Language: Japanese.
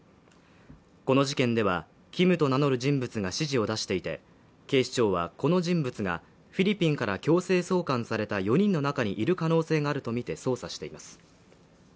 この事件では、Ｋｉｍと名乗る人物が指示を出していて、警視庁はこの人物が、フィリピンから強制送還された４人の中にいる可能性があるとみて捜査しています。